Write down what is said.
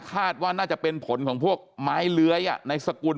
คาดว่าน่าจะเป็นผลของพวกไม้เลื้อยในสกุล